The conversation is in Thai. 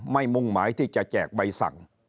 มุ่งหมายที่จะแจกใบสั่ง